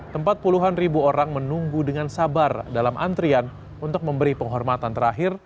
tempat puluhan ribu orang menunggu dengan sabar dalam antrian untuk memberi penghormatan terakhir